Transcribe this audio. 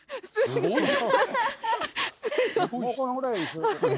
すごい！